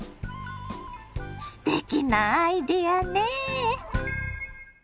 すてきなアイデアねぇ。